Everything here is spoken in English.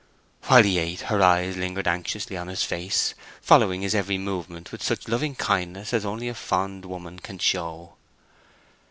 While he ate her eyes lingered anxiously on his face, following its every movement with such loving kindness as only a fond woman can show.